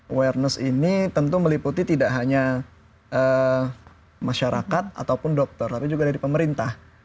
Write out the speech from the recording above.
awareness ini tentu meliputi tidak hanya masyarakat ataupun dokter tapi juga dari pemerintah